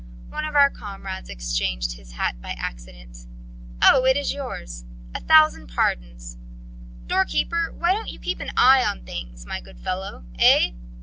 One of our comrades exchanged his hat by accident... Oh, it is yours! A thousand pardons. Doorkeeper! Why don't you keep an eye on things, my good fellow, eh?